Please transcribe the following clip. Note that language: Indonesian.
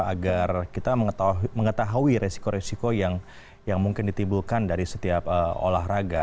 agar kita mengetahui resiko resiko yang mungkin ditibulkan dari setiap olahraga